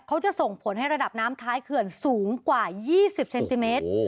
เขาจะส่งผลให้ระดับน้ำท้ายเขื่อนสูงกว่ายี่สิบเซนติเมตรโอ้โห